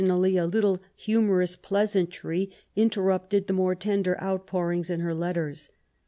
137 ally a little humorous pleasantry interrupted the more tender outpourings in her letters.